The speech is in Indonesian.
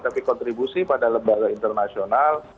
tapi kontribusi pada lembaga internasional